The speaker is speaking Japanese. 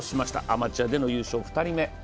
アマチュアでの優勝、２人目。